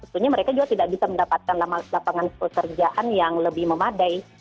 tentunya mereka juga tidak bisa mendapatkan lapangan pekerjaan yang lebih memadai